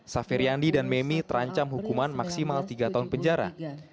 saferiandi dan memi terancam hukuman maksimal tiga tahun penjara